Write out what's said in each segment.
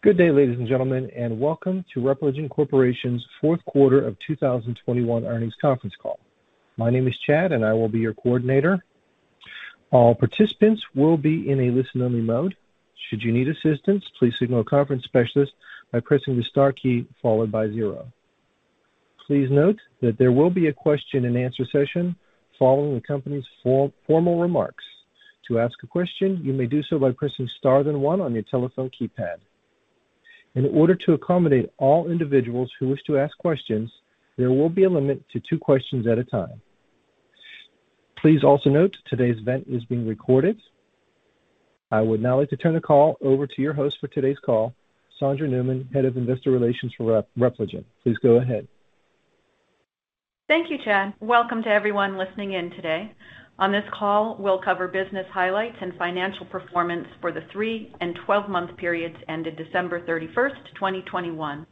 Good day, ladies and gentlemen, and welcome to Repligen Corporation's fourth quarter of 2021 earnings conference call. My name is Chad, and I will be your coordinator. All participants will be in a listen only mode. Should you need assistance, please signal a conference specialist by pressing the star key followed by zero. Please note that there will be a Q&A session following the company's formal remarks. To ask a question, you may do so by pressing star then one on your telephone keypad. In order to accommodate all individuals who wish to ask questions, there will be a limit to two questions at a time. Please also note today's event is being recorded. I would now like to turn the call over to your host for today's call, Sondra Newman, Head of Investor Relations for Repligen. Please go ahead. Thank you, Chad. Welcome to everyone listening in today. On this call, we'll cover business highlights and financial performance for the three and 12-month periods ended December 31st, 2021.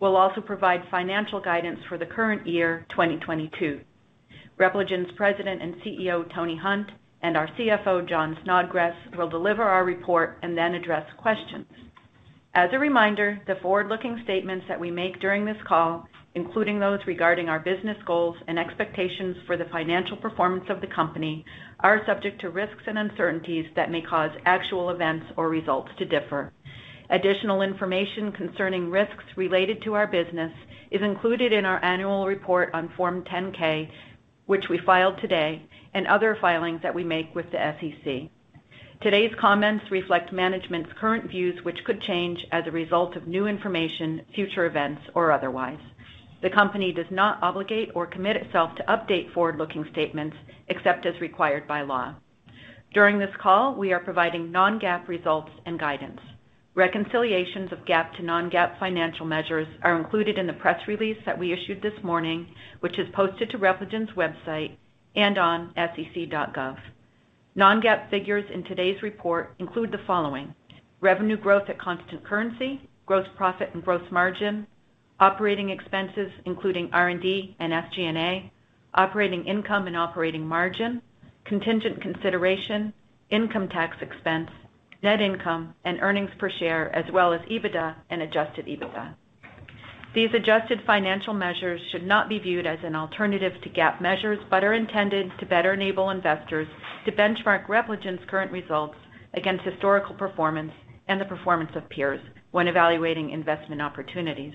We'll also provide financial guidance for the current year, 2022. Repligen's President and CEO, Tony Hunt, and our CFO, Jon Snodgres, will deliver our report and then address questions. As a reminder, the forward-looking statements that we make during this call, including those regarding our business goals and expectations for the financial performance of the company, are subject to risks and uncertainties that may cause actual events or results to differ. Additional information concerning risks related to our business is included in our annual report on Form 10-K, which we filed today, and other filings that we make with the SEC. Today's comments reflect management's current views, which could change as a result of new information, future events, or otherwise. The company does not obligate or commit itself to update forward-looking statements except as required by law. During this call, we are providing non-GAAP results and guidance. Reconciliations of GAAP to non-GAAP financial measures are included in the press release that we issued this morning, which is posted to Repligen's website and on sec.gov. Non-GAAP figures in today's report include the following. Revenue growth at constant currency, gross profit and gross margin, operating expenses, including R&D and SG&A, operating income and operating margin, contingent consideration, income tax expense, net income and earnings per share, as well as EBITDA and adjusted EBITDA. These adjusted financial measures should not be viewed as an alternative to GAAP measures, but are intended to better enable investors to benchmark Repligen's current results against historical performance and the performance of peers when evaluating investment opportunities.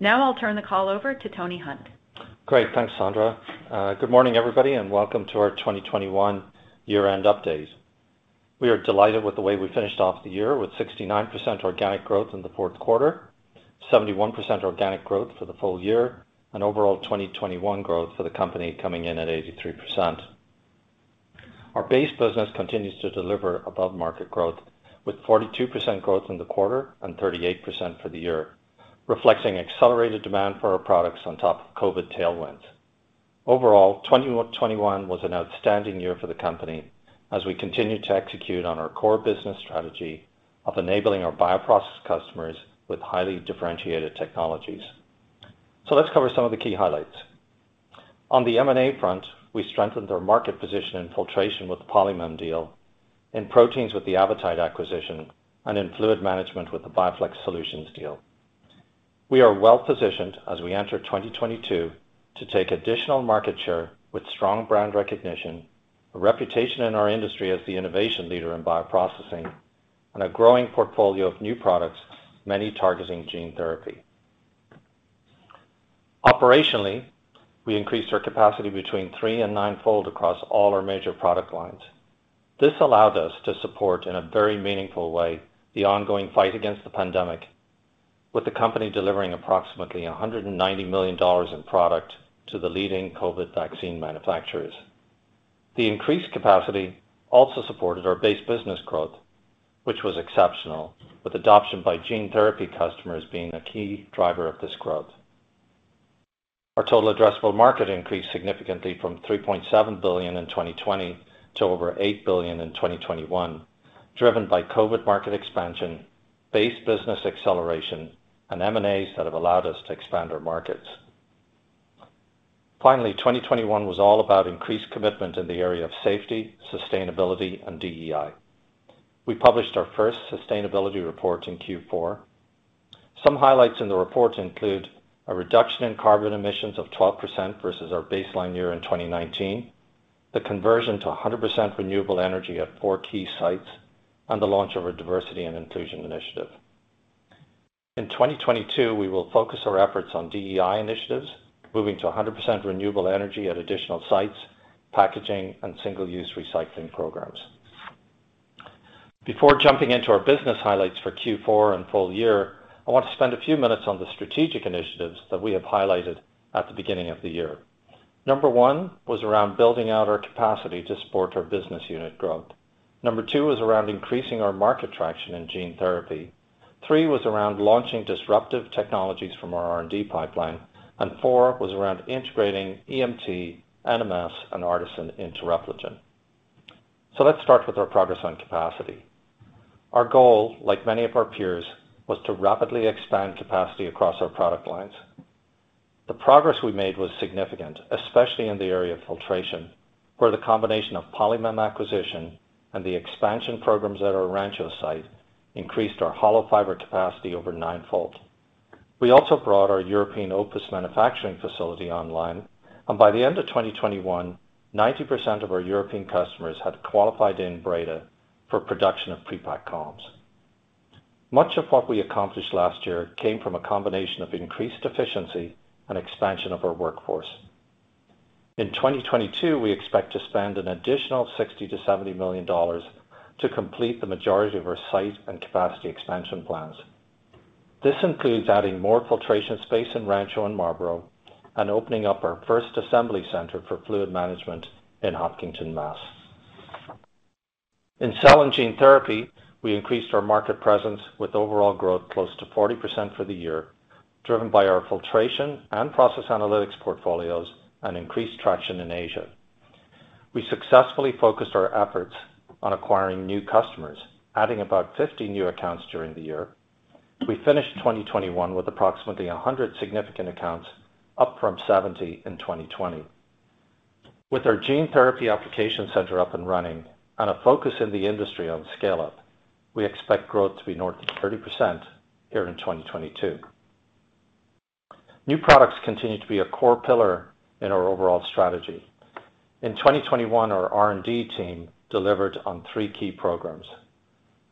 Now I'll turn the call over to Tony Hunt. Great. Thanks, Sandra. Good morning, everybody, and welcome to our 2021 year-end update. We are delighted with the way we finished off the year with 69% organic growth in the fourth quarter, 71% organic growth for the full year, and overall 2021 growth for the company coming in at 83%. Our base business continues to deliver above market growth with 42% growth in the quarter and 38% for the year, reflecting accelerated demand for our products on top of COVID tailwinds. Overall, 2021 was an outstanding year for the company as we continue to execute on our core business strategy of enabling our bioprocess customers with highly differentiated technologies. Let's cover some of the key highlights. On the M&A front, we strengthened our market position in Filtration with the Polymem deal, in Proteins with the Avitide acquisition, and in fluid management with the BioFlex Solutions deal. We are well positioned as we enter 2022 to take additional market share with strong brand recognition, a reputation in our industry as the innovation leader in bioprocessing, and a growing portfolio of new products, mainly targeting gene therapy. Operationally, we increased our capacity between three and nine-fold across all our major product lines. This allowed us to support, in a very meaningful way, the ongoing fight against the pandemic with the company delivering approximately $190 million in product to the leading COVID vaccine manufacturers. The increased capacity also supported our base business growth, which was exceptional, with adoption by gene therapy customers being a key driver of this growth. Our total addressable market increased significantly from $3.7 billion in 2020 to over $8 billion in 2021, driven by COVID market expansion, base business acceleration, and M&As that have allowed us to expand our markets. Finally, 2021 was all about increased commitment in the area of safety, sustainability and DEI. We published our first sustainability report in Q4. Some highlights in the report include a reduction in carbon emissions of 12% versus our baseline year in 2019, the conversion to 100% renewable energy at four key sites, and the launch of our diversity and inclusion initiative. In 2022, we will focus our efforts on DEI initiatives, moving to 100% renewable energy at additional sites, packaging, and single-use recycling programs. Before jumping into our business highlights for Q4 and full year, I want to spend a few minutes on the strategic initiatives that we have highlighted at the beginning of the year. Number one was around building out our capacity to support our business unit growth. Number two was around increasing our market traction in gene therapy. Three was around launching disruptive technologies from our R&D pipeline, and four was around integrating EMT, NMS, and ARTeSYN into Repligen. Let's start with our progress on capacity. Our goal, like many of our peers, was to rapidly expand capacity across our product lines. The progress we made was significant, especially in the area of Filtration, where the combination of Polymem acquisition and the expansion programs at our Rancho site increased our hollow fiber capacity over nine-fold. We also brought our European OPUS manufacturing facility online, and by the end of 2021, 90% of our European customers had qualified in Breda for production of pre-packed columns. Much of what we accomplished last year came from a combination of increased efficiency and expansion of our workforce. In 2022, we expect to spend an additional $60 million-$70 million to complete the majority of our site and capacity expansion plans. This includes adding more Filtration space in Rancho and Marlborough and opening up our first assembly center for fluid management in Hopkinton, Mass. In cell and gene therapy, we increased our market presence with overall growth close to 40% for the year, driven by our Filtration and Process Analytics portfolios and increased traction in Asia. We successfully focused our efforts on acquiring new customers, adding about 50 new accounts during the year. We finished 2021 with approximately 100 significant accounts, up from 70 in 2020. With our gene therapy application center up and running and a focus in the industry on scale-up, we expect growth to be north of 30% here in 2022. New products continue to be a core pillar in our overall strategy. In 2021, our R&D team delivered on three key programs.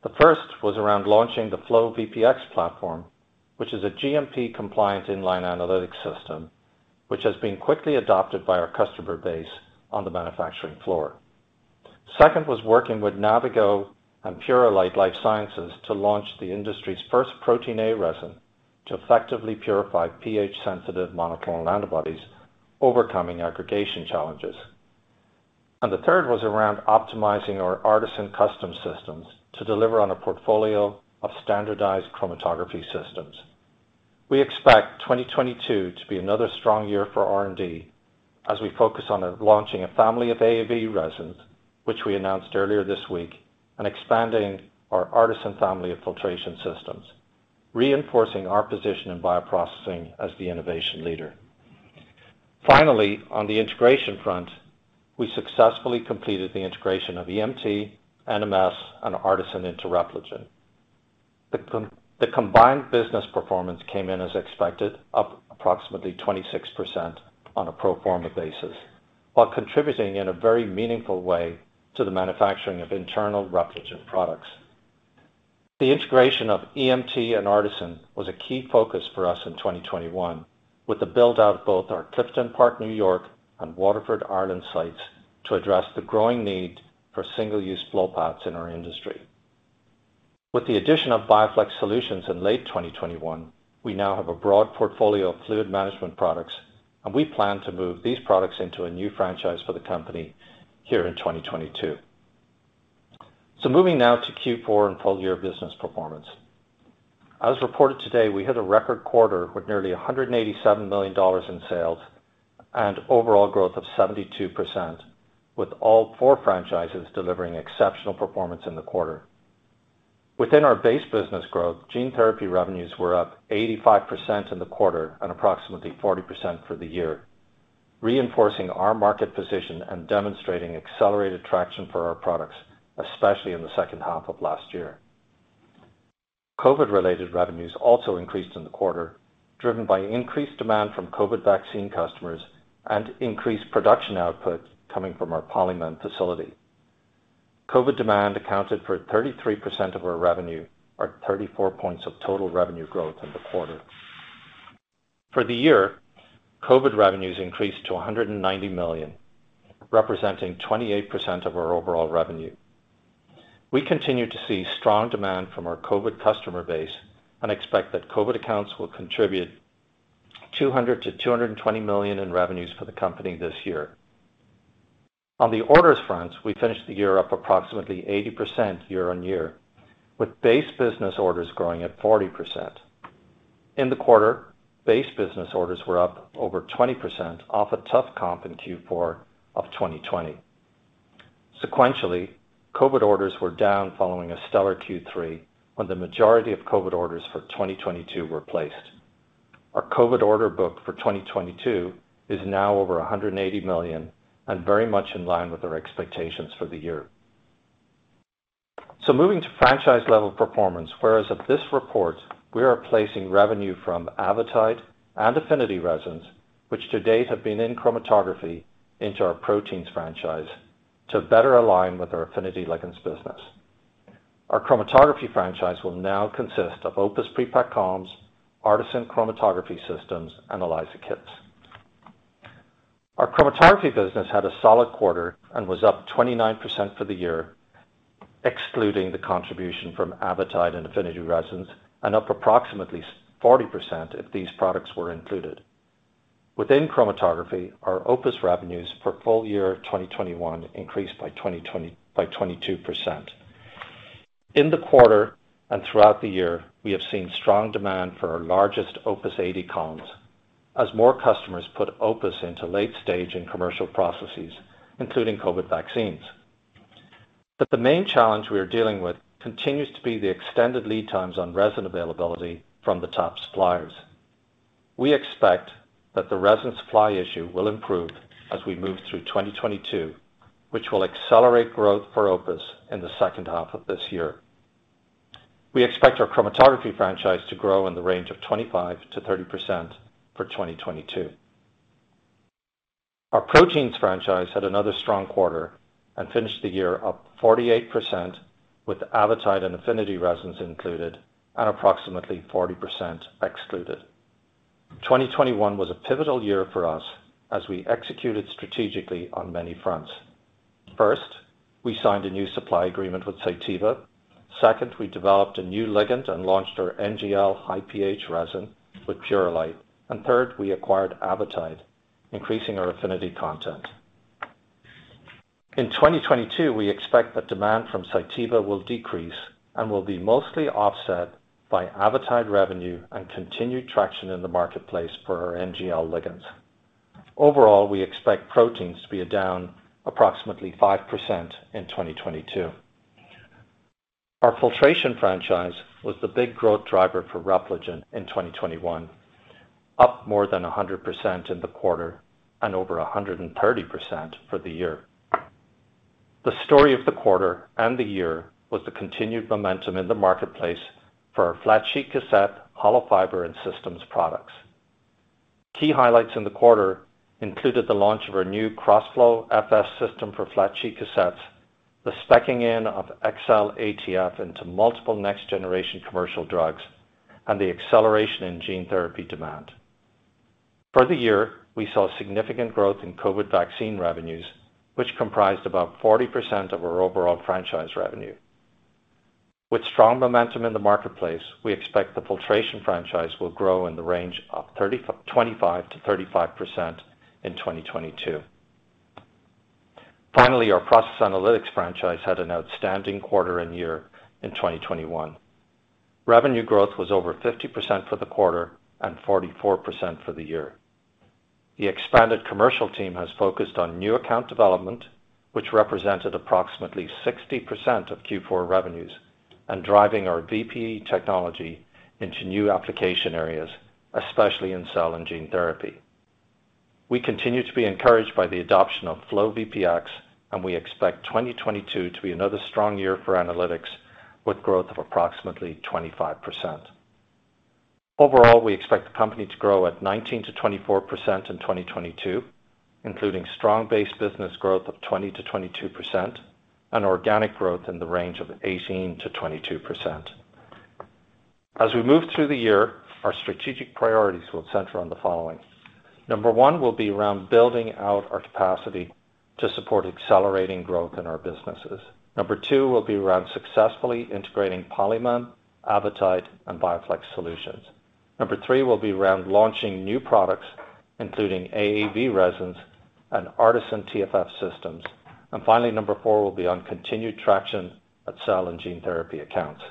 The first was around launching the FlowVPX platform, which is a GMP compliant inline analytics system, which has been quickly adopted by our customer base on the manufacturing floor. Second was working with Navigo and Purolite Life Sciences to launch the industry's first Protein A resin to effectively purify pH sensitive monoclonal antibodies, overcoming aggregation challenges. The third was around optimizing our ARTeSYN custom systems to deliver on a portfolio of standardized Chromatography systems. We expect 2022 to be another strong year for R&D as we focus on launching a family of AAV resins, which we announced earlier this week, and expanding our ARTeSYN family of filtration systems, reinforcing our position in bioprocessing as the innovation leader. Finally, on the integration front, we successfully completed the integration of EMT, NMS, and ARTeSYN into Repligen. The combined business performance came in as expected, up approximately 26% on a pro forma basis, while contributing in a very meaningful way to the manufacturing of internal Repligen products. The integration of EMT and ARTeSYN was a key focus for us in 2021, with the build-out of both our Clifton Park, New York and Waterford, Ireland sites to address the growing need for single-use flow paths in our industry. With the addition of BioFlex Solutions in late 2021, we now have a broad portfolio of fluid management products, and we plan to move these products into a new franchise for the company here in 2022. Moving now to Q4 and full year business performance. As reported today, we had a record quarter with nearly $187 million in sales and overall growth of 72%, with all four franchises delivering exceptional performance in the quarter. Within our base business growth, gene therapy revenues were up 85% in the quarter and approximately 40% for the year, reinforcing our market position and demonstrating accelerated traction for our products, especially in the second half of last year. COVID related revenues also increased in the quarter, driven by increased demand from COVID vaccine customers and increased production output coming from our Polymem facility. COVID demand accounted for 33% of our revenue or 34 points of total revenue growth in the quarter. For the year, COVID revenues increased to $190 million, representing 28% of our overall revenue. We continue to see strong demand from our COVID customer base and expect that COVID accounts will contribute $200 million-$220 million in revenues for the company this year. On the orders front, we finished the year up approximately 80% year-on-year, with base business orders growing at 40%. In the quarter, base business orders were up over 20% off a tough comp in Q4 of 2020. Sequentially, COVID orders were down following a stellar Q3 when the majority of COVID orders for 2022 were placed. Our COVID order book for 2022 is now over $180 million and very much in line with our expectations for the year. Moving to franchise level performance, whereas of this report, we are placing revenue from Avitide and Affinity Resins, which to date have been in Chromatography into our Proteins franchise to better align with our affinity ligands business. Our Chromatography franchise will now consist of OPUS prepacked columns, ARTeSYN chromatography systems, and ELISA kits. Our Chromatography business had a solid quarter and was up 29% for the year, excluding the contribution from Avitide and Affinity Resins, and up approximately 40% if these products were included. Within Chromatography, our OPUS revenues for full year 2021 increased by 22%. In the quarter and throughout the year, we have seen strong demand for our largest OPUS 80 columns as more customers put OPUS into late stage in commercial processes, including COVID vaccines. The main challenge we are dealing with continues to be the extended lead times on resin availability from the top suppliers. We expect that the resin supply issue will improve as we move through 2022, which will accelerate growth for OPUS in the second half of this year. We expect our Chromatography franchise to grow in the range of 25%-30% for 2022. Our Proteins franchise had another strong quarter and finished the year up 48% with the Avitide and Affinity Resins included and approximately 40% excluded. 2021 was a pivotal year for us as we executed strategically on many fronts. First, we signed a new supply agreement with Cytiva. Second, we developed a new ligand and launched our NGL high pH resin with Purolite. Third, we acquired Avitide, increasing our affinity content. In 2022, we expect that demand from Cytiva will decrease and will be mostly offset by Avitide revenue and continued traction in the marketplace for our NGL ligands. Overall, we expect Proteins to be down approximately 5% in 2022. Our Filtration franchise was the big growth driver for Repligen in 2021, up more than 100% in the quarter and over 130% for the year. The story of the quarter and the year was the continued momentum in the marketplace for our flat sheet cassette, hollow fiber, and systems products. Key highlights in the quarter included the launch of our new KrosFlo FS system for flat sheet cassettes, the speccing in of XCell ATF into multiple next-generation commercial drugs, and the acceleration in gene therapy demand. For the year, we saw significant growth in COVID vaccine revenues, which comprised about 40% of our overall franchise revenue. With strong momentum in the marketplace, we expect the Filtration franchise will grow in the range of 25%-35% in 2022. Finally, our Process Analytics franchise had an outstanding quarter and year in 2021. Revenue growth was over 50% for the quarter and 44% for the year. The expanded commercial team has focused on new account development, which represented approximately 60% of Q4 revenues and driving our VPE technology into new application areas, especially in cell and gene therapy. We continue to be encouraged by the adoption of FlowVPX, and we expect 2022 to be another strong year for Analytics, with growth of approximately 25%. Overall, we expect the company to grow at 19%-24% in 2022, including strong base business growth of 20%-22% and organic growth in the range of 18%-22%. As we move through the year, our strategic priorities will center on the following. Number one will be around building out our capacity to support accelerating growth in our businesses. Number two will be around successfully integrating Polymem, Avitide, and BioFlex Solutions. Number three will be around launching new products, including AAV resins and ARTeSYN TFF systems. Finally, number four will be on continued traction at cell and gene therapy accounts.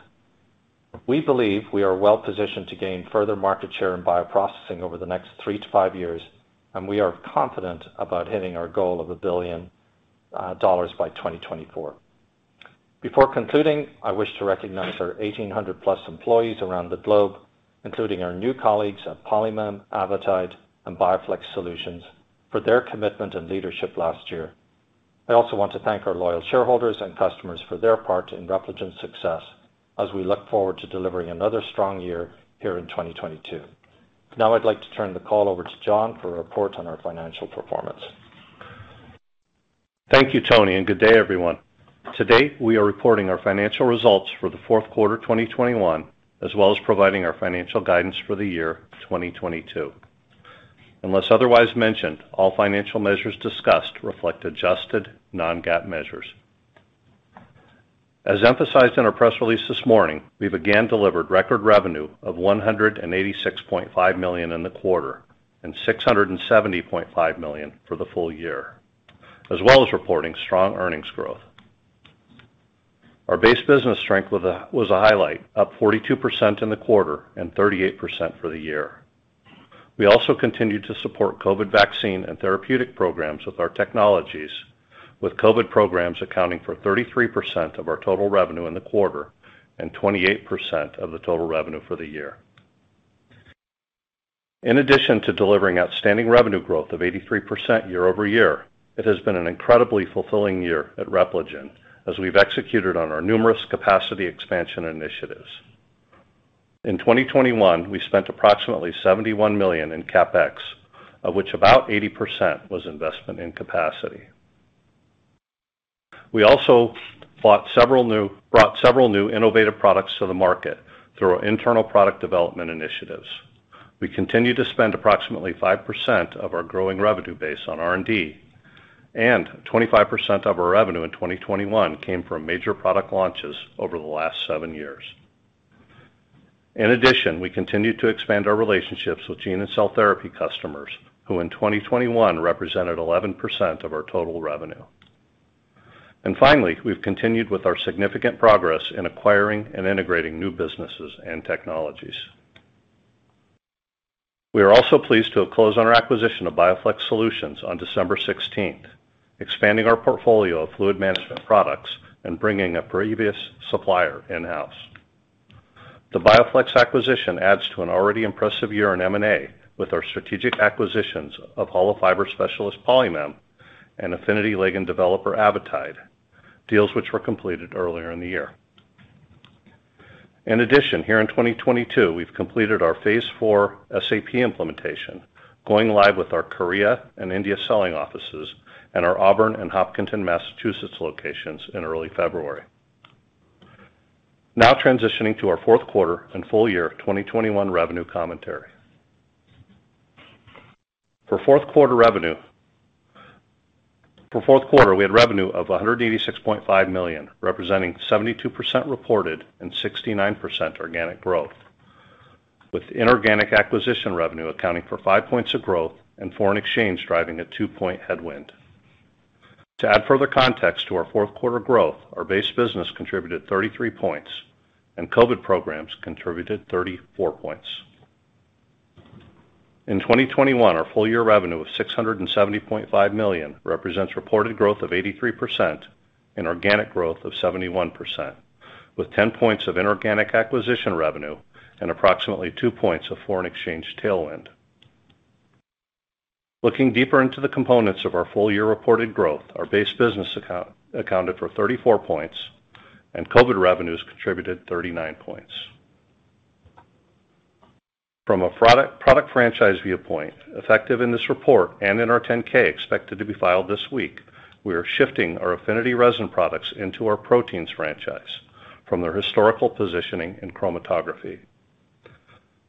We believe we are well positioned to gain further market share in bioprocessing over the next three-fiveyears, and we are confident about hitting our goal of $1 billion by 2024. Before concluding, I wish to recognize our 1,800+ employees around the globe, including our new colleagues at Polymem, Avitide, and BioFlex Solutions, for their commitment and leadership last year. I also want to thank our loyal shareholders and customers for their part in Repligen's success as we look forward to delivering another strong year here in 2022. Now, I'd like to turn the call over to Jon for a report on our financial performance. Thank you, Tony, and good day, everyone. Today, we are reporting our financial results for the fourth quarter 2021, as well as providing our financial guidance for the year 2022. Unless otherwise mentioned, all financial measures discussed reflect adjusted non-GAAP measures. As emphasized in our press release this morning, we've again delivered record revenue of $186.5 million in the quarter and $670.5 million for the full year, as well as reporting strong earnings growth. Our base business strength was a highlight, up 42% in the quarter and 38% for the year. We also continued to support COVID vaccine and therapeutic programs with our technologies, with COVID programs accounting for 33% of our total revenue in the quarter and 28% of the total revenue for the year. In addition to delivering outstanding revenue growth of 83% year-over-year, it has been an incredibly fulfilling year at Repligen as we've executed on our numerous capacity expansion initiatives. In 2021, we spent approximately $71 million in CapEx, of which about 80% was investment in capacity. We also brought several new innovative products to the market through our internal product development initiatives. We continue to spend approximately 5% of our growing revenue base on R&D, and 25% of our revenue in 2021 came from major product launches over the last seven years. In addition, we continued to expand our relationships with gene and cell therapy customers, who in 2021 represented 11% of our total revenue. Finally, we've continued with our significant progress in acquiring and integrating new businesses and technologies. We are also pleased to have closed on our acquisition of BioFlex Solutions on December 16th, expanding our portfolio of fluid management products and bringing a previous supplier in-house. The BioFlex acquisition adds to an already impressive year in M&A with our strategic acquisitions of hollow fiber specialist, Polymem, and affinity ligand developer, Avitide, deals which were completed earlier in the year. In addition, here in 2022, we've completed our phase IV SAP implementation, going live with our Korea and India selling offices and our Auburn and Hopkinton, Massachusetts, locations in early February. Now transitioning to our fourth quarter and full year of 2021 revenue commentary. For fourth quarter, we had revenue of $186.5 million, representing 72% reported and 69% organic growth, with inorganic acquisition revenue accounting for 5 points of growth and foreign exchange driving a 2-point headwind. To add further context to our fourth quarter growth, our base business contributed 33 points and COVID programs contributed 34 points. In 2021, our full year revenue of $670.5 million represents reported growth of 83% and organic growth of 71%, with 10 points of inorganic acquisition revenue and approximately 2 points of foreign exchange tailwind. Looking deeper into the components of our full year reported growth, our base business accounted for 34 points and COVID revenues contributed 39 points. From a product franchise viewpoint, effective in this report and in our 10-K expected to be filed this week, we are shifting our Affinity Resins into our Proteins franchise from their historical positioning in Chromatography.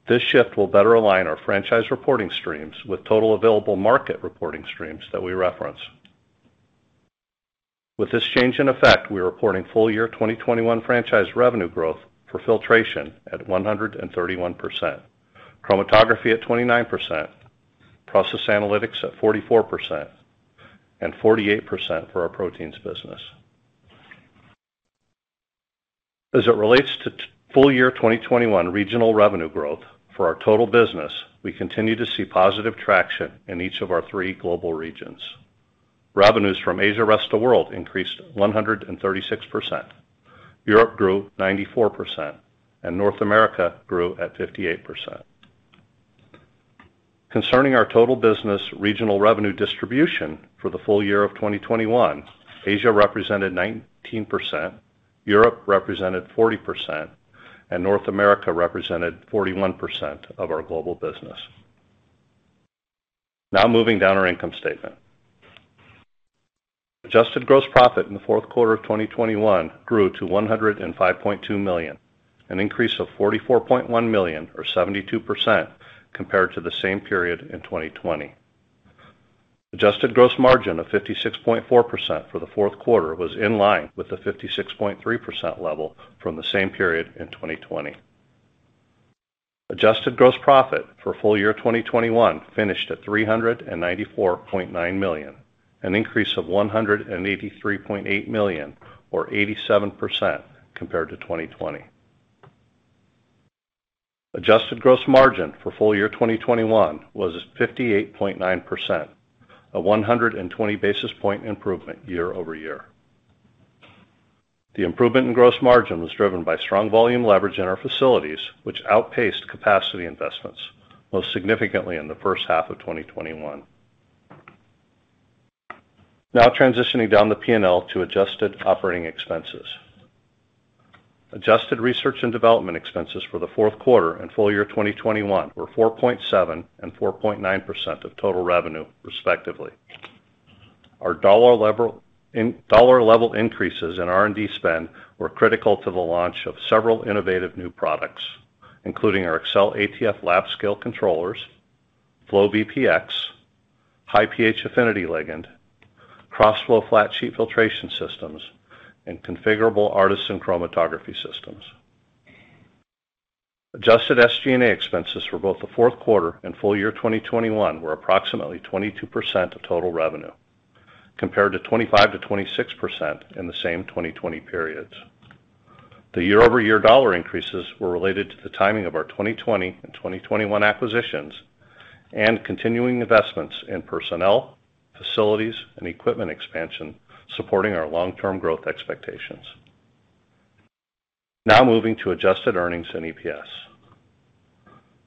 This shift will better align our franchise reporting streams with total available market reporting streams that we reference. With this change in effect, we're reporting full year 2021 franchise revenue growth for Filtration at 131%, Chromatography at 29%, Process Analytics at 44%, and 48% for our Proteins business. As it relates to full year 2021 regional revenue growth for our total business, we continue to see positive traction in each of our three global regions. Revenues from Asia rest of world increased 136%, Europe grew 94%, and North America grew at 58%. Concerning our total business regional revenue distribution for the full year of 2021, Asia represented 19%, Europe represented 40%, and North America represented 41% of our global business. Now moving down our income statement. Adjusted gross profit in the fourth quarter of 2021 grew to $105.2 million, an increase of $44.1 million or 72% compared to the same period in 2020. Adjusted gross margin of 56.4% for the fourth quarter was in line with the 56.3% level from the same period in 2020. Adjusted gross profit for full year 2021 finished at $394.9 million, an increase of $183.8 million or 87% compared to 2020. Adjusted gross margin for full year 2021 was 58.9%, a 120 basis point improvement year-over-year. The improvement in gross margin was driven by strong volume leverage in our facilities, which outpaced capacity investments, most significantly in the first half of 2021. Now transitioning down the P&L to adjusted operating expenses. Adjusted research and development expenses for the fourth quarter and full year 2021 were 4.7% and 4.9% of total revenue, respectively. Our dollar level increases in R&D spend were critical to the launch of several innovative new products, including our XCell ATF lab scale controllers, FlowVPX, high pH affinity ligand, KrosFlo flat sheet filtration systems, and configurable ARTeSYN chromatography systems. Adjusted SG&A expenses for both the fourth quarter and full year 2021 were approximately 22% of total revenue, compared to 25%-26% in the same 2020 periods. The year-over-year dollar increases were related to the timing of our 2020 and 2021 acquisitions and continuing investments in personnel, facilities, and equipment expansion, supporting our long-term growth expectations. Now moving to adjusted earnings and EPS.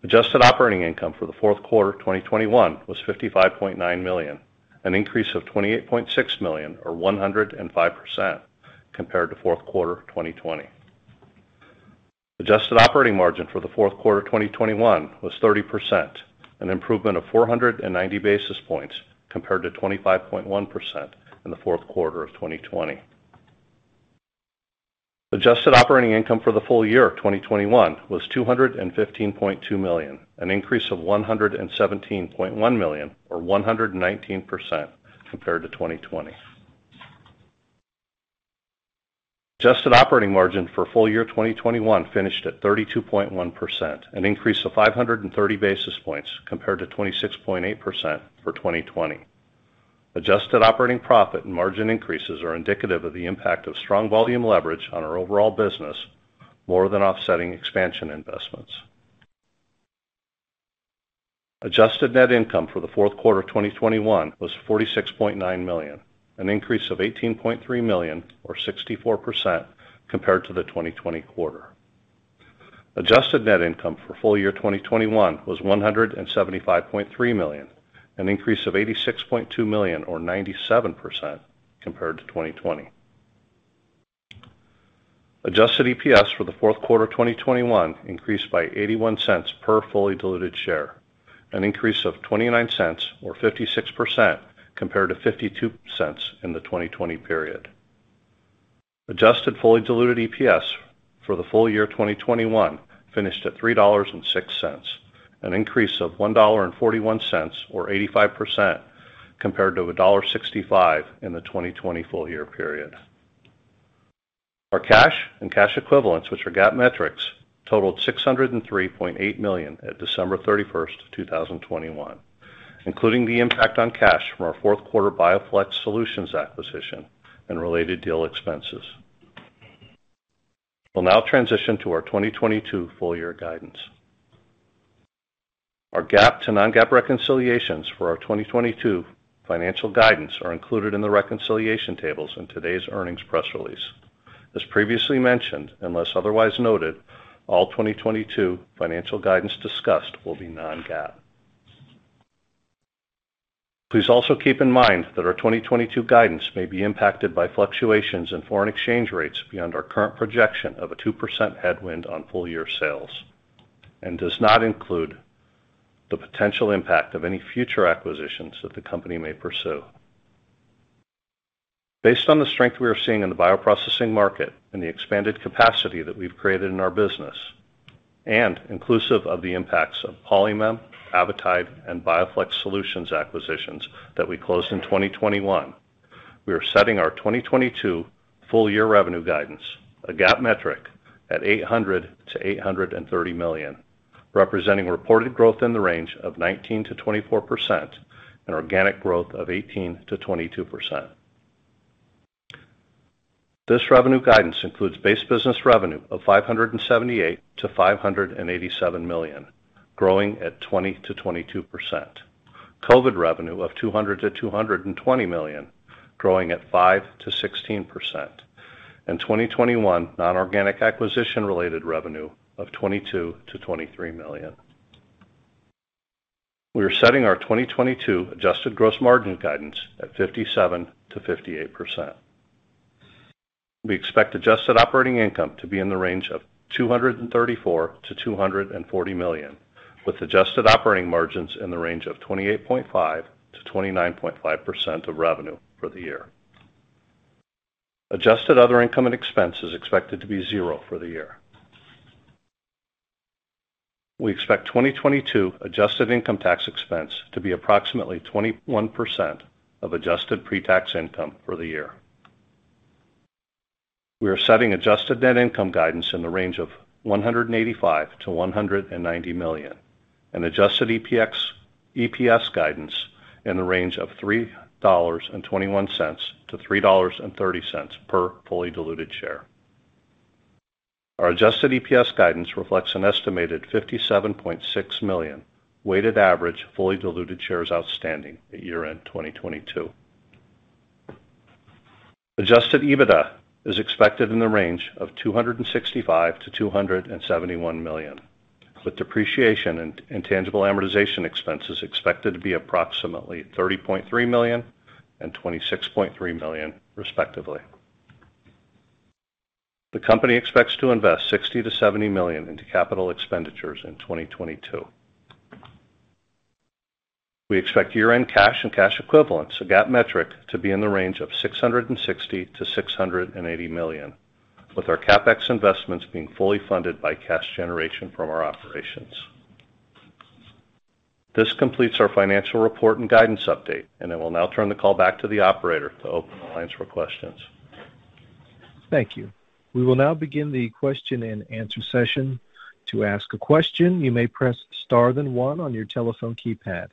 Adjusted operating income for the fourth quarter 2021 was $55.9 million, an increase of $28.6 million or 105% compared to fourth quarter 2020. Adjusted operating margin for the fourth quarter 2021 was 30%, an improvement of 490 basis points compared to 25.1% in the fourth quarter of 2020. Adjusted operating income for the full year of 2021 was $215.2 million, an increase of $117.1 million or 119% compared to 2020. Adjusted operating margin for full year 2021 finished at 32.1%, an increase of 530 basis points compared to 26.8% for 2020. Adjusted operating profit and margin increases are indicative of the impact of strong volume leverage on our overall business more than offsetting expansion investments. Adjusted net income for the fourth quarter of 2021 was $46.9 million, an increase of $18.3 million or 64% compared to the 2020 quarter. Adjusted net income for full year 2021 was $175.3 million, an increase of $86.2 million or 97% compared to 2020. Adjusted EPS for the fourth quarter of 2021 increased by $0.81 per fully diluted share, an increase of $0.29 or 56% compared to $0.52 in the 2020 period. Adjusted fully diluted EPS for the full year 2021 finished at $3.06, an increase of $1.41 or 85% compared to $1.65 in the 2020 full year period. Our cash and cash equivalents, which are GAAP metrics, totaled $603.8 million at December 31st, 2021, including the impact on cash from our fourth quarter BioFlex Solutions acquisition and related deal expenses. We'll now transition to our 2022 full year guidance. Our GAAP to non-GAAP reconciliations for our 2022 financial guidance are included in the reconciliation tables in today's earnings press release. As previously mentioned, unless otherwise noted, all 2022 financial guidance discussed will be non-GAAP. Please also keep in mind that our 2022 guidance may be impacted by fluctuations in foreign exchange rates beyond our current projection of a 2% headwind on full year sales, and does not include the potential impact of any future acquisitions that the company may pursue. Based on the strength we are seeing in the bioprocessing market and the expanded capacity that we've created in our business, and inclusive of the impacts of Polymem, Avitide, and BioFlex Solutions acquisitions that we closed in 2021, we are setting our 2022 full year revenue guidance, a GAAP metric, at $800 million-$830 million, representing reported growth in the range of 19%-24% and organic growth of 18%-22%. This revenue guidance includes base business revenue of $578 million-$587 million, growing at 20%-22%, COVID revenue of $200 million-$220 million, growing at 5%-16%, and 2021 non-organic acquisition-related revenue of $22 million-$23 million. We are setting our 2022 adjusted gross margin guidance at 57%-58%. We expect adjusted operating income to be in the range of $234 million-$240 million, with adjusted operating margins in the range of 28.5%-29.5% of revenue for the year. Adjusted other income and expense is expected to be $0 for the year. We expect 2022 adjusted income tax expense to be approximately 21% of adjusted pre-tax income for the year. We are setting adjusted net income guidance in the range of $185 million-$190 million, and adjusted EPS guidance in the range of $3.21-$3.30 per fully diluted share. Our adjusted EPS guidance reflects an estimated 57.6 million weighted average fully diluted shares outstanding at year-end 2022. Adjusted EBITDA is expected in the range of $265 million-$271 million, with depreciation and intangible amortization expenses expected to be approximately $30.3 million and $26.3 million respectively. The company expects to invest $60 million-$70 million into capital expenditures in 2022. We expect year-end cash and cash equivalents, a GAAP metric, to be in the range of $660 million-$680 million, with our CapEx investments being fully funded by cash generation from our operations. This completes our financial report and guidance update, and I will now turn the call back to the operator to open the lines for questions. Thank you. We will now begin the Q&A session. To ask a question, you may press star then one on your telephone keypad.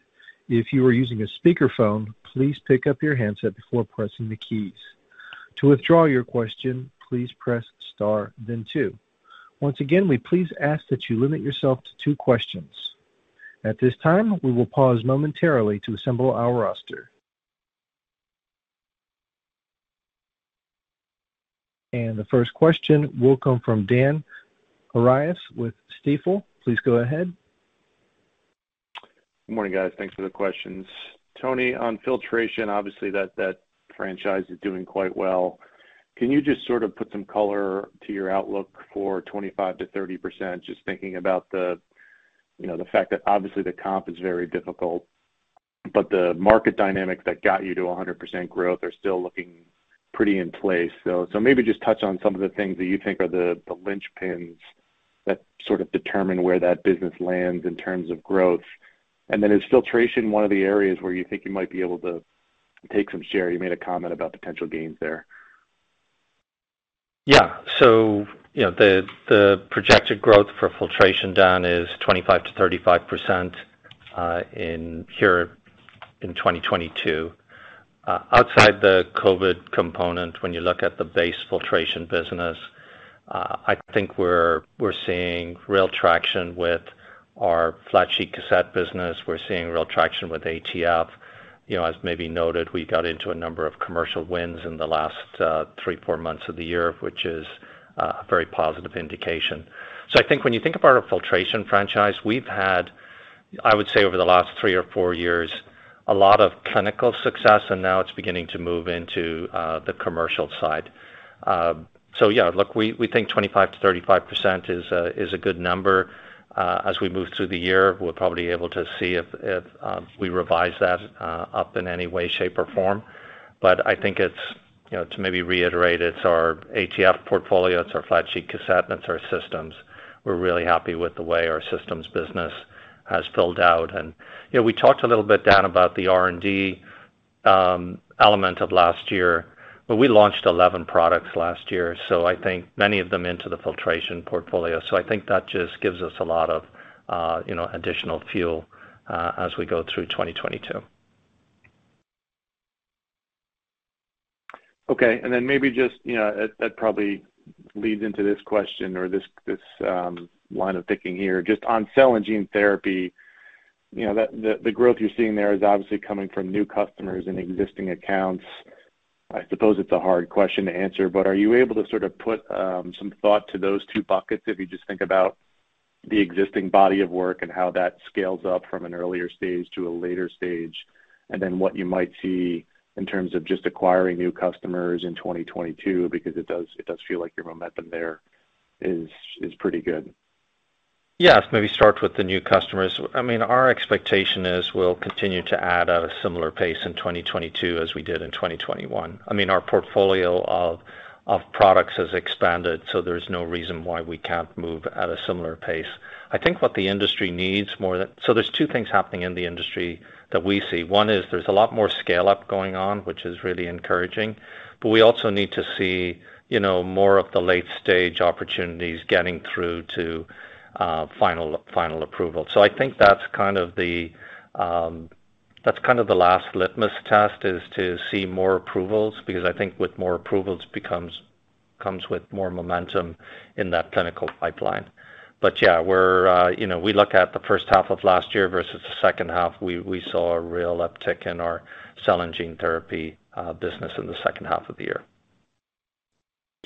If you are using a speakerphone, please pick up your handset before pressing the keys. To withdraw your question, please press star then two. Once again, we please ask that you limit yourself to two questions. At this time, we will pause momentarily to assemble our roster. The first question will come from Dan Arias with Stifel. Please go ahead. Good morning, guys. Thanks for the questions. Tony, on Filtration, obviously that franchise is doing quite well. Can you just sort of put some color to your outlook for 25%-30%, just thinking about the, you know, the fact that obviously the comp is very difficult, but the market dynamics that got you to 100% growth are still looking pretty in place. Maybe just touch on some of the things that you think are the lynchpins that sort of determine where that business lands in terms of growth. Is Filtration one of the areas where you think you might be able to take some share? You made a comment about potential gains there. Yeah. You know, the projected growth for Filtration, Dan, is 25%-35% in 2022. Outside the COVID component, when you look at the base Filtration business, I think we're seeing real traction with our flat sheet cassette business. We're seeing real traction with ATF. You know, as maybe noted, we got into a number of commercial wins in the last three-four months of the year, which is a very positive indication. I think when you think about our Filtration franchise, we've had, I would say over the last three or four years, a lot of clinical success, and now it's beginning to move into the commercial side. Yeah, look, we think 25%-35% is a good number. As we move through the year, we'll probably be able to see if we revise that up in any way, shape, or form. I think it's, you know, to maybe reiterate, it's our ATF portfolio, it's our flat sheet cassette, and it's our systems. We're really happy with the way our systems business has filled out. You know, we talked a little bit, Dan, about the R&D element of last year, but we launched 11 products last year, so I think many of them into the Filtration portfolio. I think that just gives us a lot of, you know, additional fuel as we go through 2022. Okay. Maybe just, you know, that probably leads into this question or this line of thinking here. Just on cell and gene therapy, you know, the growth you're seeing there is obviously coming from new customers and existing accounts. I suppose it's a hard question to answer, but are you able to sort of put some thought to those two buckets if you just think about the existing body of work and how that scales up from an earlier stage to a later stage, and then what you might see in terms of just acquiring new customers in 2022, because it does feel like your momentum there is pretty good. Yes. Maybe start with the new customers. I mean, our expectation is we'll continue to add at a similar pace in 2022 as we did in 2021. I mean, our portfolio of products has expanded, so there's no reason why we can't move at a similar pace. I think what the industry needs. There's two things happening in the industry that we see. One is there's a lot more scale-up going on, which is really encouraging, but we also need to see, you know, more of the late-stage opportunities getting through to final approval. I think that's kind of the last litmus test, is to see more approvals, because I think with more approvals comes with more momentum in that clinical pipeline. Yeah, we're, you know, we look at the first half of last year versus the second half. We saw a real uptick in our cell and gene therapy business in the second half of the year.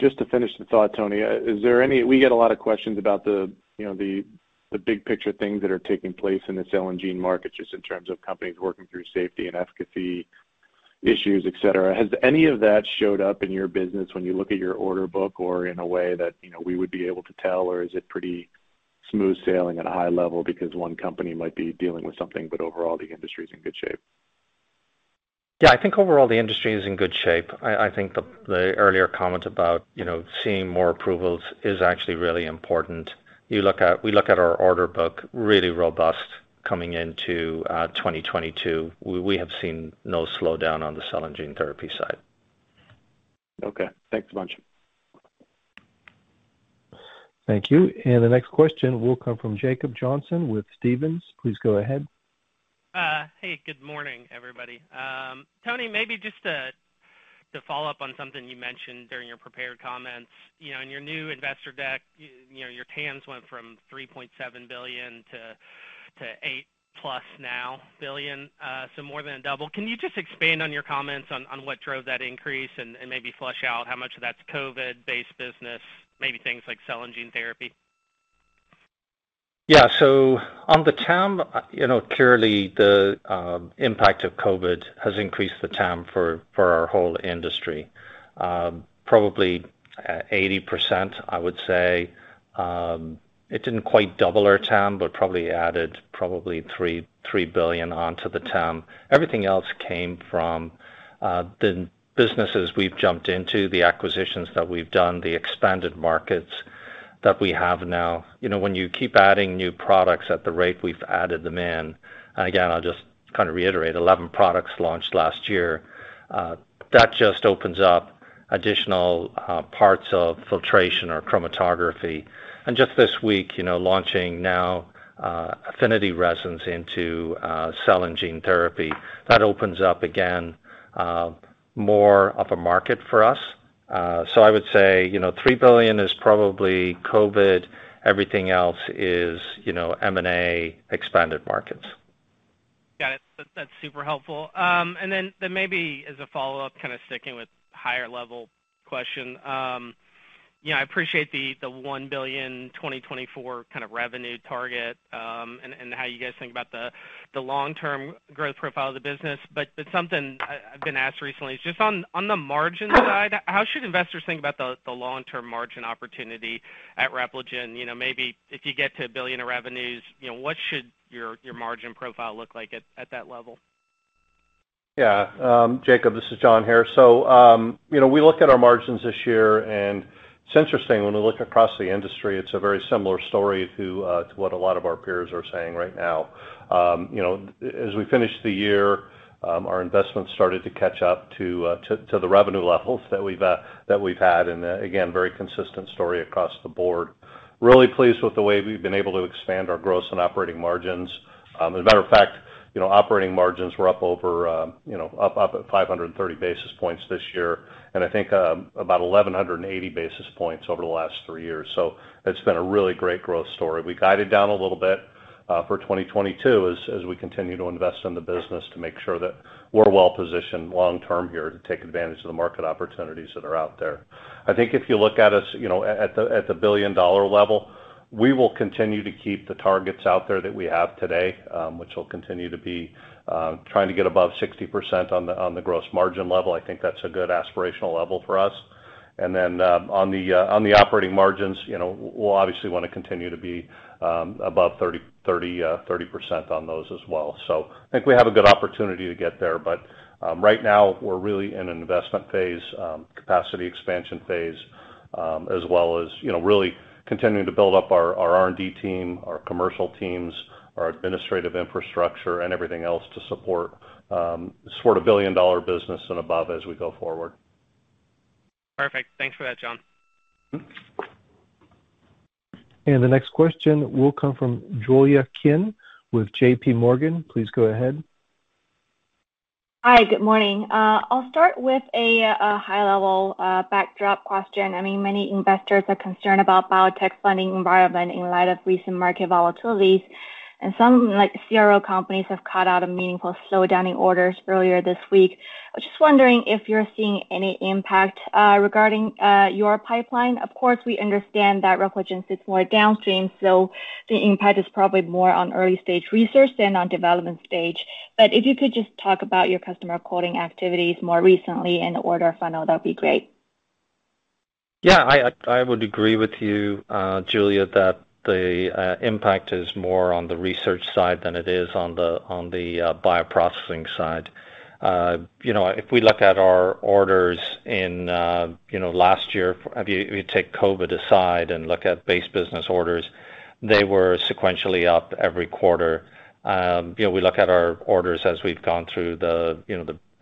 Just to finish the thought, Tony, we get a lot of questions about the, you know, the big picture things that are taking place in the cell and gene market, just in terms of companies working through safety and efficacy issues, et cetera. Has any of that showed up in your business when you look at your order book or in a way that, you know, we would be able to tell, or is it pretty smooth sailing at a high level because one company might be dealing with something, but overall, the industry is in good shape? Yeah. I think overall, the industry is in good shape. I think the earlier comment about, you know, seeing more approvals is actually really important. We look at our order book really robust coming into 2022. We have seen no slowdown on the cell and gene therapy side. Okay. Thanks a bunch. Thank you. The next question will come from Jacob Johnson with Stephens. Please go ahead. Hey, good morning, everybody. Tony, maybe just to follow up on something you mentioned during your prepared comments. You know, in your new investor deck, you know, your TAMs went from $3.7 billion to $8+ billion now, so more than double. Can you just expand on your comments on what drove that increase and maybe flesh out how much of that's COVID-based business, maybe things like cell and gene therapy? Yeah. On the TAM, you know, clearly the impact of COVID has increased the TAM for our whole industry. Probably 80%, I would say. It didn't quite double our TAM, but probably added $3 billion onto the TAM. Everything else came from the businesses we've jumped into, the acquisitions that we've done, the expanded markets that we have now. You know, when you keep adding new products at the rate we've added them in, and again, I'll just kind of reiterate, 11 products launched last year, that just opens up additional parts of Filtration or Chromatography. Just this week, you know, launching now Affinity Resins into cell and gene therapy, that opens up, again, more of a market for us. So I would say, you know, $3 billion is probably COVID. Everything else is, you know, M&A expanded markets. Got it. That's super helpful. Then maybe as a follow-up, kind of sticking with high-level question. You know, I appreciate the $1 billion 2024 revenue target, and how you guys think about the long-term growth profile of the business. Something I've been asked recently is just on the margin side, how should investors think about the long-term margin opportunity at Repligen? You know, maybe if you get to $1 billion in revenues, what should your margin profile look like at that level? Yeah. Jacob, this is Jon here. You know, we look at our margins this year, and it's interesting when we look across the industry, it's a very similar story to what a lot of our peers are saying right now. As we finish the year, our investments started to catch up to the revenue levels that we've had, and again, very consistent story across the board. Really pleased with the way we've been able to expand our gross and operating margins. As a matter of fact, you know, operating margins were up over you know up 530 basis points this year and I think about 1,180 basis points over the last three years. It's been a really great growth story. We guided down a little bit for 2022 as we continue to invest in the business to make sure that we're well positioned long-term here to take advantage of the market opportunities that are out there. I think if you look at us, you know, at the billion-dollar level, we will continue to keep the targets out there that we have today, which will continue to be trying to get above 60% on the gross margin level. I think that's a good aspirational level for us. On the operating margins, you know, we'll obviously wanna continue to be above 30% on those as well. I think we have a good opportunity to get there. Right now we're really in an investment phase, capacity expansion phase, as well as, you know, really continuing to build up our R&D team, our commercial teams, our administrative infrastructure, and everything else to support a billion-dollar business and above as we go forward. Perfect. Thanks for that, Jon. Mm-hmm. The next question will come from Julia Qin with JP Morgan. Please go ahead. Hi. Good morning. I'll start with a high level backdrop question. I mean, many investors are concerned about biotech funding environment in light of recent market volatilities, and some, like CRO companies, have called out a meaningful slowdown in orders earlier this week. I was just wondering if you're seeing any impact regarding your pipeline. Of course, we understand that Repligen sits more downstream, so the impact is probably more on early stage research than on development stage. If you could just talk about your customer quoting activities more recently and order funnel, that'd be great. Yeah. I would agree with you, Julia, that the impact is more on the research side than it is on the bioprocessing side. You know, if we look at our orders in last year, if you take COVID aside and look at base business orders, they were sequentially up every quarter. You know, we look at our orders as we've gone through the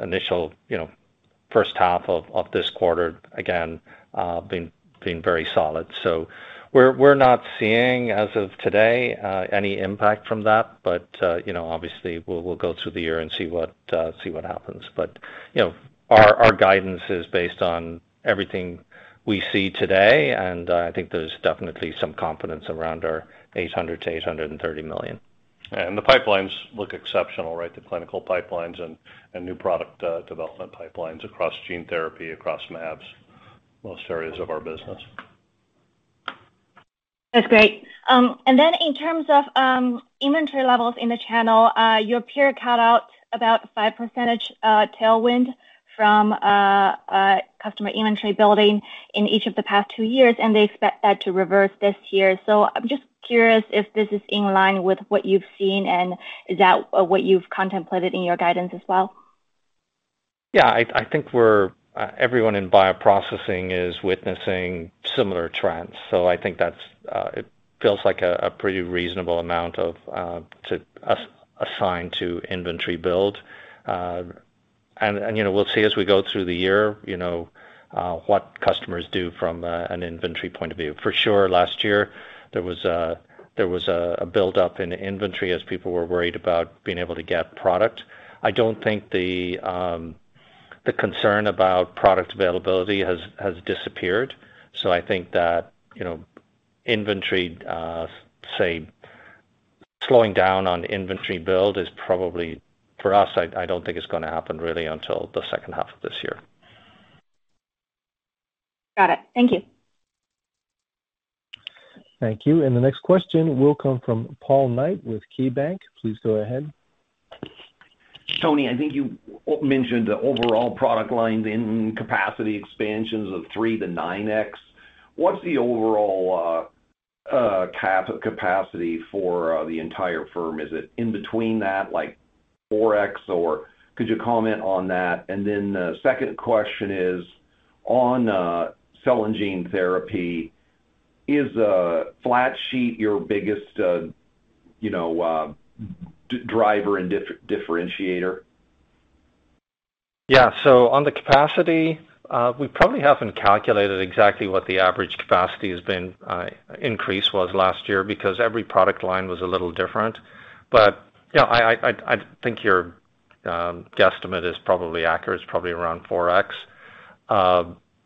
initial first half of this quarter, again, been very solid. So we're not seeing, as of today, any impact from that. But you know, obviously, we'll go through the year and see what happens. You know, our guidance is based on everything we see today, and I think there's definitely some confidence around our $800 million-$830 million. The pipelines look exceptional, right? The clinical pipelines and new product development pipelines across gene therapy, across mAbs, most areas of our business. That's great. In terms of inventory levels in the channel, your peer cut out about 5% tailwind from customer inventory building in each of the past two years, and they expect that to reverse this year. I'm just curious if this is in line with what you've seen, and is that what you've contemplated in your guidance as well? Yeah. I think we're everyone in bioprocessing is witnessing similar trends, so I think that's it feels like a pretty reasonable amount of to assign to inventory build. And you know, we'll see as we go through the year, you know, what customers do from an inventory point of view. For sure, last year, there was a build up in inventory as people were worried about being able to get product. I don't think the concern about product availability has disappeared, so I think that, you know, inventory, say, slowing down on inventory build is probably for us. I don't think it's gonna happen really until the second half of this year. Got it. Thank you. Thank you. The next question will come from Paul Knight with KeyBanc. Please go ahead. Tony, I think you mentioned the overall product lines in capacity expansions of 3x-9x. What's the overall capacity for the entire firm? Is it in between that, like 4x, or could you comment on that? The second question is on cell and gene therapy, is flat sheet your biggest, you know, driver and differentiator? On the capacity, we probably haven't calculated exactly what the average capacity has been increase was last year because every product line was a little different. You know, I think your guesstimate is probably accurate. It's probably around 4x.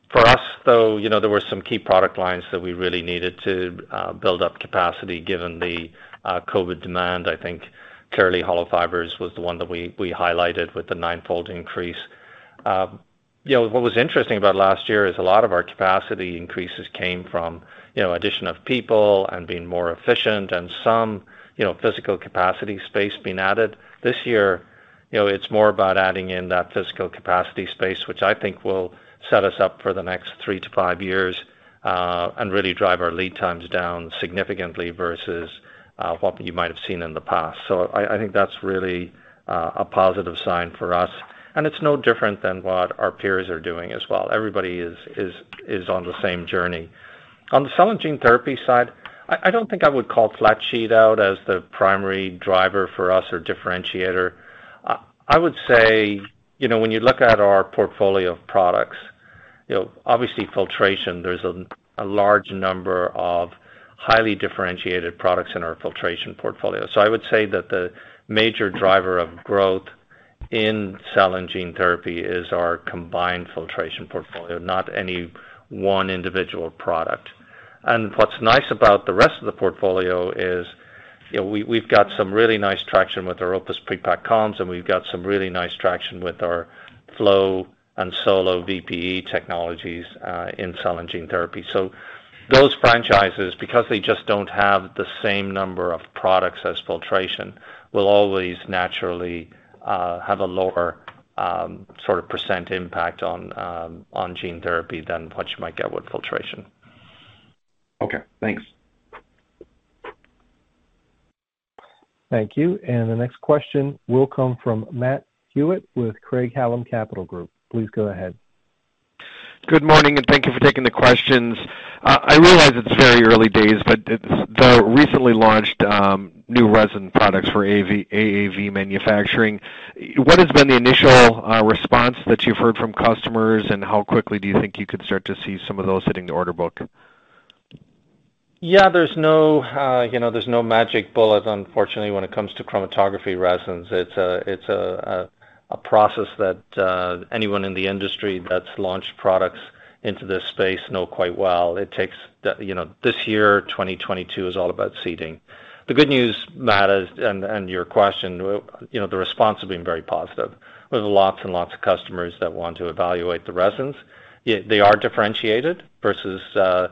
For us though, you know, there were some key product lines that we really needed to build up capacity given the COVID demand. I think clearly hollow fibers was the one that we highlighted with the nine-fold increase. You know, what was interesting about last year is a lot of our capacity increases came from you know, addition of people and being more efficient and some you know, physical capacity space being added. This year, you know, it's more about adding in that physical capacity space, which I think will set us up for the next three-five years, really drive our lead times down significantly versus what you might have seen in the past. I think that's really a positive sign for us, and it's no different than what our peers are doing as well. Everybody is on the same journey. On the cell and gene therapy side, I don't think I would call flat sheet out as the primary driver for us or differentiator. I would say, you know, when you look at our portfolio of products, you know, obviously Filtration, there's a large number of highly differentiated products in our Filtration portfolio. I would say that the major driver of growth in cell and gene therapy is our combined Filtration portfolio, not any one individual product. What's nice about the rest of the portfolio is, you know, we've got some really nice traction with our OPUS pre-packed columns, and we've got some really nice traction with our FlowVPX and SoloVPE technologies in cell and gene therapy. Those franchises, because they just don't have the same number of products as filtration, will always naturally have a lower sort of percent impact on gene therapy than what you might get with Filtration. Okay, thanks. Thank you. The next question will come from Matt Hewitt with Craig-Hallum Capital Group. Please go ahead. Good morning, and thank you for taking the questions. I realize it's very early days, but the recently launched new resin products for AAV manufacturing, what has been the initial response that you've heard from customers, and how quickly do you think you could start to see some of those hitting the order book? Yeah, there's no, you know, there's no magic bullet, unfortunately, when it comes to Chromatography resins. It's a process that anyone in the industry that's launched products into this space know quite well. It takes, you know, this year, 2022, is all about seeding. The good news, Matt, is and your question, you know, the response has been very positive. There's lots and lots of customers that want to evaluate the resins. Yet they are differentiated versus the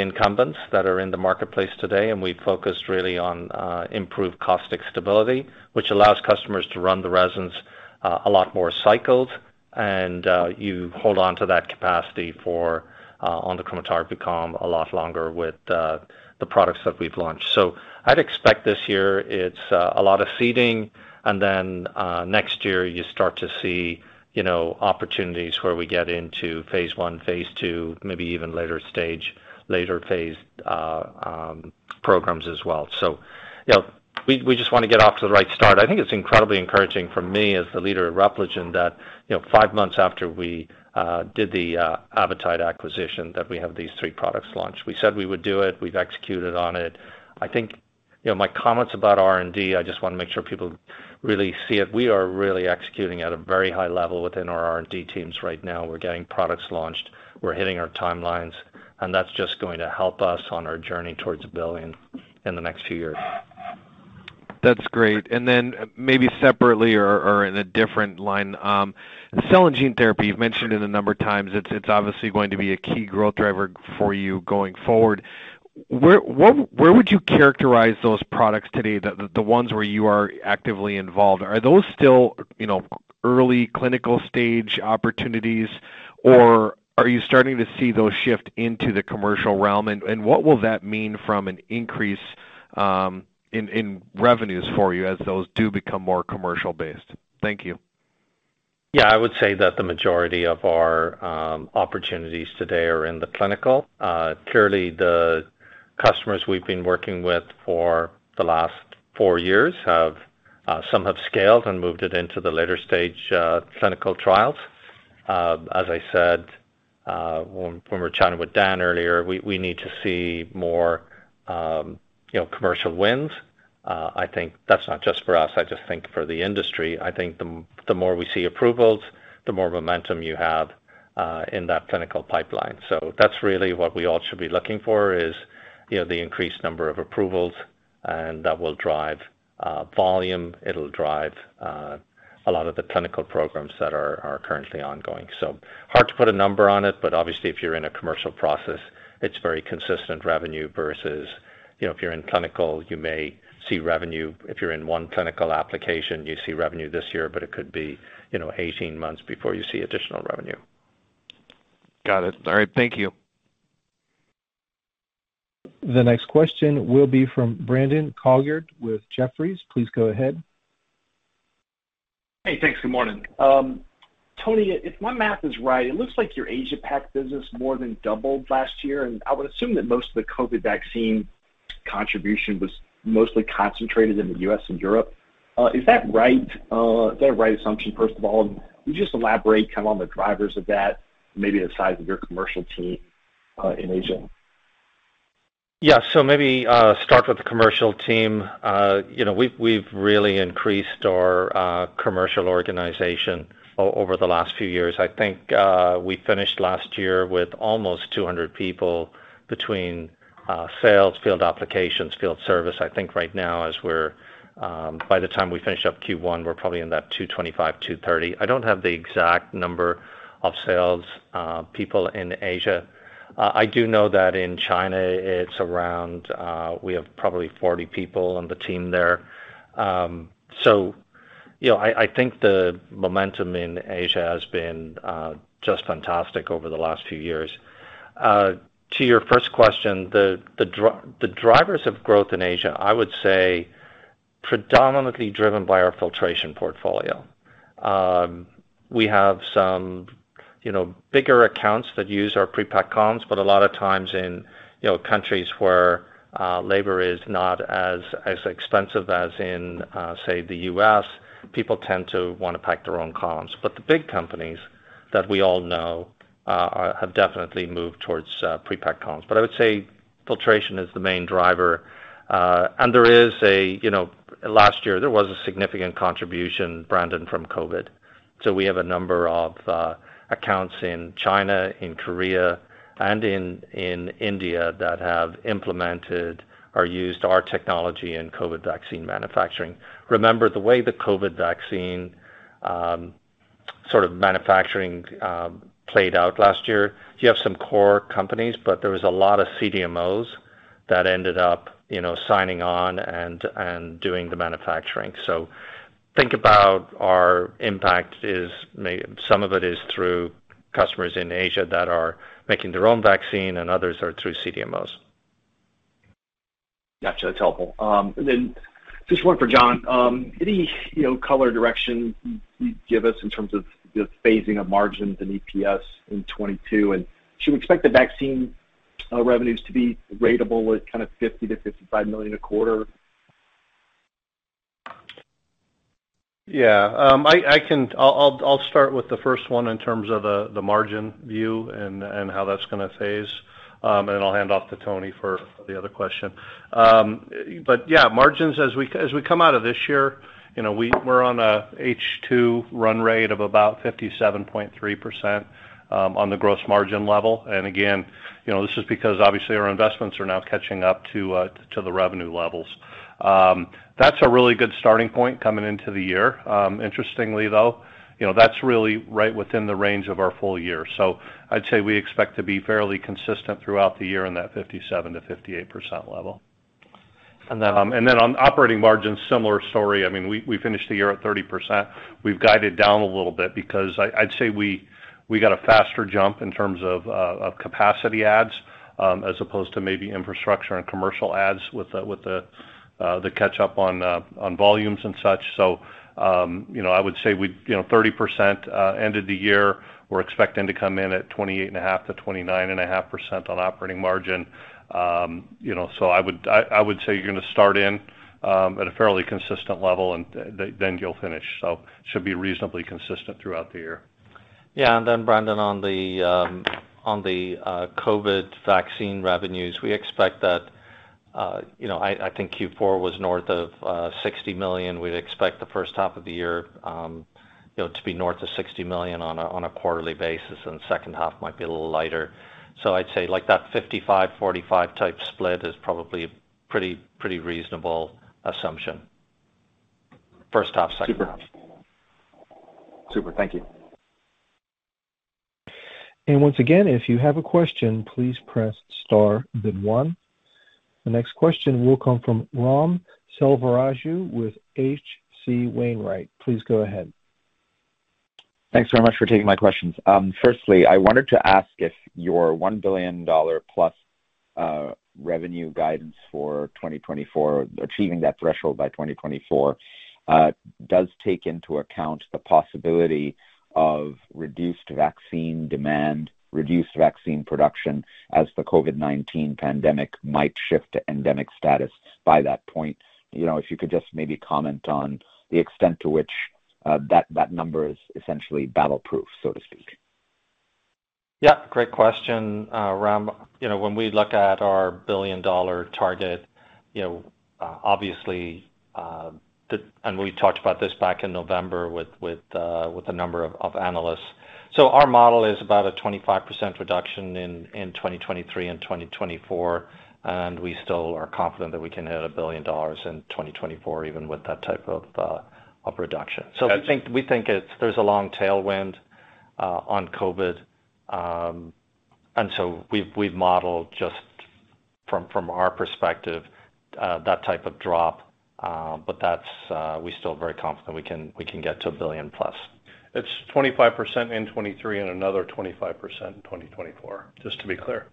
incumbents that are in the marketplace today, and we focused really on improved caustic stability, which allows customers to run the resins a lot more cycles. You hold on to that capacity on the Chromatography column a lot longer with the products that we've launched. I'd expect this year it's a lot of seeding and then next year you start to see, you know, opportunities where we get into phase I, phase II, maybe even later stage, later phased programs as well. You know, we just wanna get off to the right start. I think it's incredibly encouraging for me as the leader of Repligen that, you know, five months after we did the Avitide acquisition that we have these three products launched. We said we would do it. We've executed on it. I think, you know, my comments about R&D, I just wanna make sure people really see it. We are really executing at a very high level within our R&D teams right now. We're getting products launched, we're hitting our timelines, and that's just going to help us on our journey towards $1 billion in the next few years. That's great. Maybe separately or in a different line. Cell and gene therapy, you've mentioned it a number of times, it's obviously going to be a key growth driver for you going forward. Where would you characterize those products today, the ones where you are actively involved? Are those still, you know, early clinical stage opportunities, or are you starting to see those shift into the commercial realm? And what will that mean from an increase in revenues for you as those do become more commercial based? Thank you. Yeah, I would say that the majority of our opportunities today are in the clinical. Clearly the customers we've been working with for the last four years have some have scaled and moved it into the later stage clinical trials. As I said, when we were chatting with Dan earlier, we need to see more, you know, commercial wins. I think that's not just for us. I just think for the industry. I think the more we see approvals, the more momentum you have in that clinical pipeline. That's really what we all should be looking for is, you know, the increased number of approvals, and that will drive volume. It'll drive a lot of the clinical programs that are currently ongoing. Hard to put a number on it, but obviously, if you're in a commercial process, it's very consistent revenue versus, you know, if you're in clinical, you may see revenue. If you're in one clinical application, you see revenue this year, but it could be, you know, 18 months before you see additional revenue. Got it. All right, thank you. The next question will be from Brandon Couillard with Jefferies. Please go ahead. Hey, thanks. Good morning. Tony, if my math is right, it looks like your Asia Pac business more than doubled last year, and I would assume that most of the COVID vaccine contribution was mostly concentrated in the U.S. and Europe. Is that right? Is that a right assumption, first of all? Can you just elaborate kind of on the drivers of that, maybe the size of your commercial team in Asia? Maybe start with the commercial team. You know, we've really increased our commercial organization over the last few years. I think we finished last year with almost 200 people between sales, field applications, field service. I think right now. By the time we finish up Q1, we're probably in that 225, 230. I don't have the exact number of sales people in Asia. I do know that in China it's around 40. We have probably 40 people on the team there. You know, I think the momentum in Asia has been just fantastic over the last few years. To your first question, the drivers of growth in Asia, I would say predominantly driven by our Filtration portfolio. We have some, you know, bigger accounts that use our pre-packed columns, but a lot of times in, you know, countries where labor is not as expensive as in, say, the U.S., people tend to wanna pack their own columns. The big companies that we all know have definitely moved towards pre-packed columns. I would say Filtration is the main driver. Last year, there was a significant contribution, Brandon, from COVID. We have a number of accounts in China, in Korea, and in India that have implemented or used our technology in COVID vaccine manufacturing. Remember, the way the COVID vaccine, sort of manufacturing, played out last year, you have some core companies, but there was a lot of CDMOs that ended up, you know, signing on and doing the manufacturing. Think about our impact. Some of it is through customers in Asia that are making their own vaccine and others are through CDMOs. Gotcha, it's helpful. Just one for Jon. Any, you know, color direction you'd give us in terms of the phasing of margins and EPS in 2022? Should we expect the vaccine revenues to be ratable with kind of $50 million-$55 million a quarter? Yeah. I can start with the first one in terms of the margin view and how that's gonna phase, and I'll hand off to Tony for the other question. Yeah, margins, as we come out of this year, you know, we're on a H2 run rate of about 57.3% on the gross margin level. Again, you know, this is because obviously our investments are now catching up to the revenue levels. That's a really good starting point coming into the year. Interestingly, though, you know, that's really right within the range of our full year. I'd say we expect to be fairly consistent throughout the year in that 57%-58% level. And then on operating margins, similar story. I mean, we finished the year at 30%. We've guided down a little bit because I'd say we got a faster jump in terms of capacity adds as opposed to maybe infrastructure and commercial adds with the catch-up on volumes and such. You know, I would say 30%, end of the year, we're expecting to come in at 28.5%-29.5% on operating margin. You know, I would say you're gonna start in at a fairly consistent level and then you'll finish. Should be reasonably consistent throughout the year. Yeah, then Brandon, on the COVID vaccine revenues, we expect that, you know, I think Q4 was north of $60 million. We'd expect the first half of the year, you know, to be north of $60 million on a quarterly basis, and second half might be a little lighter. So I'd say like that 55%-45% type split is probably pretty reasonable assumption. First half, second half. Super. Thank you. Once again, if you have a question, please press star then one. The next question will come from Ram Selvaraju with H.C. Wainwright. Please go ahead. Thanks very much for taking my questions. Firstly, I wanted to ask if your $1 billion+ revenue guidance for 2024, achieving that threshold by 2024, does take into account the possibility of reduced vaccine demand, reduced vaccine production as the COVID-19 pandemic might shift to endemic status by that point. You know, if you could just maybe comment on the extent to which that number is essentially battle-proof, so to speak. Yeah, great question, Ram. You know, when we look at our $1 billion target, you know, obviously, we talked about this back in November with a number of analysts. Our model is about a 25% reduction in 2023 and 2024, and we still are confident that we can hit $1 billion in 2024 even with that type of reduction. We think there's a long tailwind on COVID. We've modeled just from our perspective that type of drop. We're still very confident we can get to $1 billion+. It's 25% in 2023 and another 25% in 2024, just to be clear.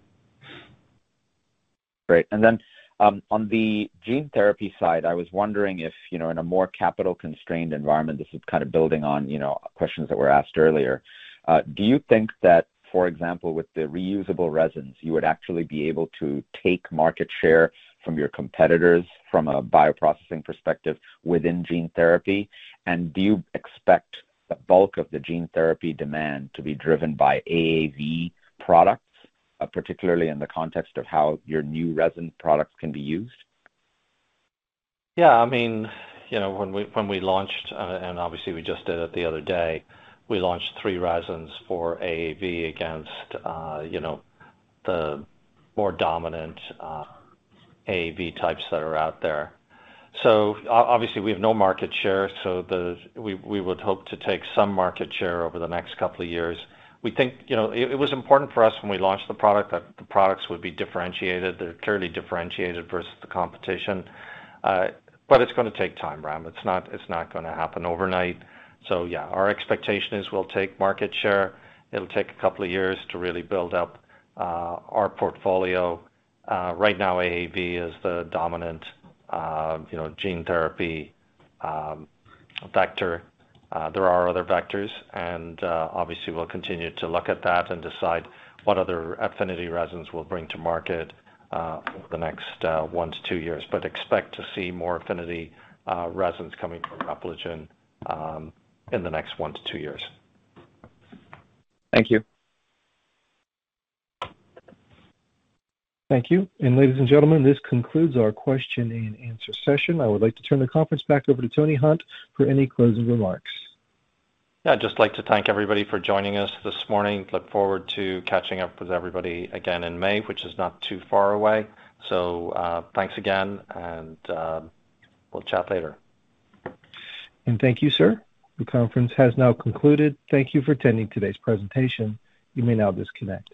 Great. Then, on the gene therapy side, I was wondering if, you know, in a more capital-constrained environment, this is kind of building on, you know, questions that were asked earlier, do you think that, for example, with the reusable resins, you would actually be able to take market share from your competitors from a bioprocessing perspective within gene therapy? Do you expect the bulk of the gene therapy demand to be driven by AAV products, particularly in the context of how your new resin products can be used? Yeah. I mean, you know, when we launched, and obviously we just did it the other day, we launched three resins for AAV against, you know, the more dominant AAV types that are out there. So obviously, we have no market share, so we would hope to take some market share over the next couple of years. We think. You know, it was important for us when we launched the product that the products would be differentiated. They're clearly differentiated versus the competition. But it's gonna take time, Ram. It's not gonna happen overnight. So yeah, our expectation is we'll take market share. It'll take a couple of years to really build up our portfolio. Right now, AAV is the dominant, you know, gene therapy vector. There are other vectors, and obviously we'll continue to look at that and decide what other affinity resins we'll bring to market over the next one-two years. Expect to see more Affinity Resins coming from Repligen in the next one-two years. Thank you. Thank you. Ladies and gentlemen, this concludes our Q&A session. I would like to turn the conference back over to Tony Hunt for any closing remarks. Yeah. I'd just like to thank everybody for joining us this morning. Look forward to catching up with everybody again in May, which is not too far away. Thanks again, and we'll chat later. Thank you, sir. The conference has now concluded. Thank you for attending today's presentation. You may now disconnect.